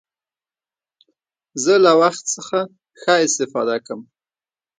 زه له وخت څخه ښه استفاده کوم.